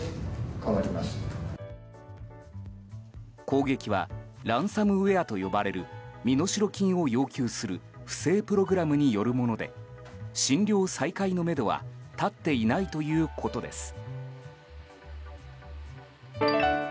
攻撃はランサムウェアと呼ばれる身代金を要求する不正プログラムによるもので診療再開のめどは立っていないということです。